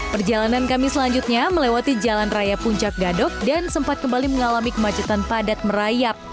perjalanan kami selanjutnya melewati jalan raya puncak gadok dan sempat kembali mengalami kemacetan padat merayap